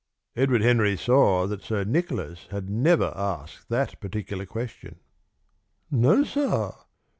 Edward Henry saw that Sir Nicholas had never asked that particular question. "No, sir."